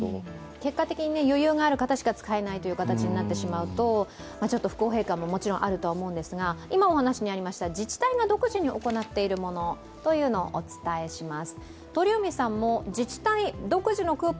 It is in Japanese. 結果的に余裕がある方しか使えないとなると不公平感があると思いますが今お話にありました自治体が独自に行っているものをお伝えします。